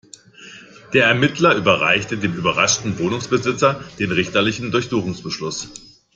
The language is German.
Der Ermittler überreichte dem überraschten Wohnungsbesitzer den richterlichen Durchsuchungsbeschluss.